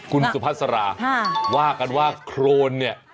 คุณสุภาษาราว่ากันว่าโครนเนี่ย